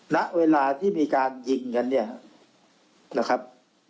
ณเวลาที่มีการยิงกัน